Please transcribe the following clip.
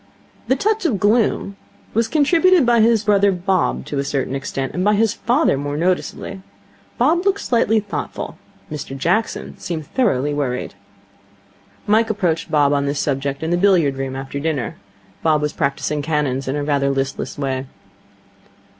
The touch of gloom was contributed by his brother Bob to a certain extent, and by his father more noticeably. Bob looked slightly thoughtful. Mr Jackson seemed thoroughly worried. Mike approached Bob on the subject in the billiard room after dinner. Bob was practising cannons in rather a listless way.